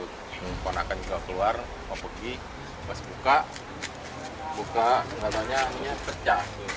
pemuda akan juga keluar mau pergi pas buka buka kenalannya kerja